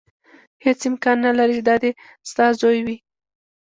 هېڅ امکان نه لري چې دا دې ستا زوی وي.